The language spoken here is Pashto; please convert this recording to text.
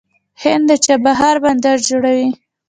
هند د چابهار بندر جوړوي.